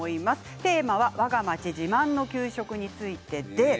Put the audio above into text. テーマはわが町自慢の給食についてです。